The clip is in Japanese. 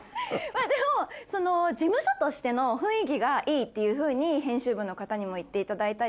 でも事務所としての雰囲気がいいっていうふうに編集部の方にも言っていただいたり。